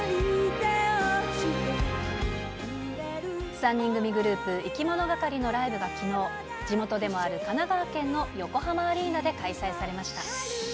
３人組グループ、いきものがかりのライブがきのう、地元でもある神奈川県の横浜アリーナで開催されました。